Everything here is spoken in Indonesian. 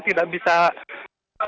tidak bisa mencari korban